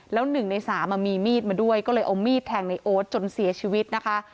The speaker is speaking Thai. แล้ว๑ใน๓มีมีดมาด้วยก็เลยเอามีดแทงในโอ๊ตจนเสียชีวิตนะคะ